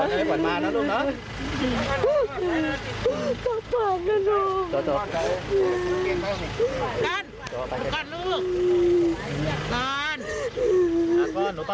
ขอบคุณมากเลยนะครับ